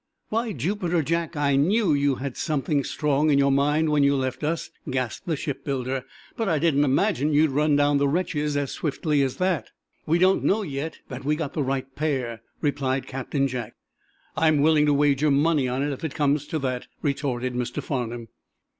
"By Jupiter, Jack, I knew you had some thing strong in your mind when you left us," gasped the shipbuilder. "But I didn't imagine you'd run down the wretches as swiftly as that." "We don't yet know that we've got the right hair," replied Captain Jack. "I'm willing to wager money on it, if it comes to that," retorted Mr. Farnum.